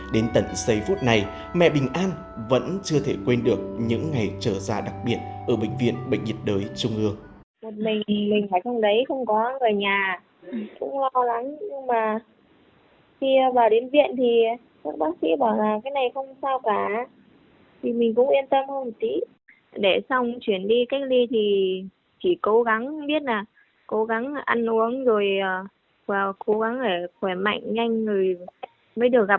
đến tận giây phút này mẹ bình an vẫn chưa thể quên được những ngày trở ra đặc biệt ở bệnh viện bệnh nhiệt đới trung ương